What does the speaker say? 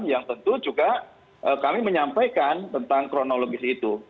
yang tentu juga kami menyampaikan tentang kronologis itu